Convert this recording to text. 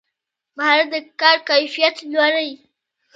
مهارت د کار کیفیت لوړوي